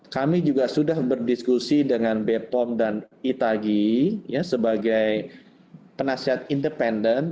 kami juga sudah berdiskusi dengan bepom dan itagi sebagai penasihat independen